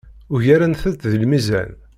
Ugarent-t deg lmizan.